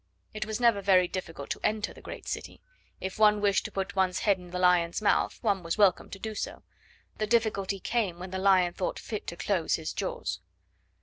It was never very difficult to enter the great city; if one wished to put one's head in the lion's mouth, one was welcome to do so; the difficulty came when the lion thought fit to close his jaws.